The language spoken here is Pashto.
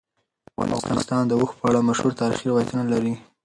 افغانستان د اوښ په اړه مشهور تاریخی روایتونه لري.